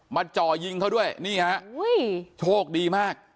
จ่อยิงเขาด้วยนี่ฮะโชคดีมาก